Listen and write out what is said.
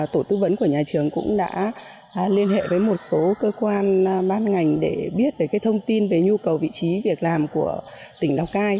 tổ tư vấn của nhà trường cũng đã liên hệ với một số cơ quan ban ngành để biết về thông tin về nhu cầu vị trí việc làm của tỉnh lào cai